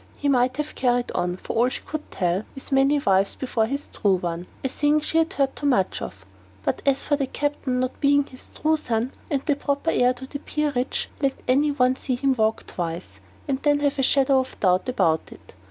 He might have carried on, for all she could tell, with many wives before his true one a thing she heard too much of; but as for the Captain not being his true son and the proper heir to the peerage, let any one see him walk twice, and then have a shadow of a doubt about it!